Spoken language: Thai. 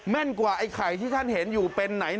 กว่าไอ้ไข่ที่ท่านเห็นอยู่เป็นไหน